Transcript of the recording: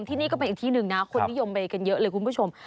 ที่นี่ก็เป็นอีกที่หนึ่งนะคนนิยมไปกันเยอะเลยคุณผู้ชม